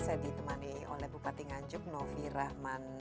saya ditemani oleh bupati nganjung novi rahman hidayat